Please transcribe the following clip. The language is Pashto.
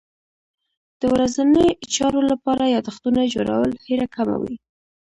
د ورځني چارو لپاره یادښتونه جوړول هېره کمه وي.